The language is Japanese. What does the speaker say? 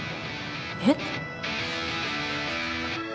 えっ？